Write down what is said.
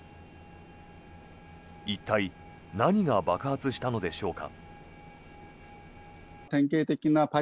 一体、何が爆発したのでしょうか。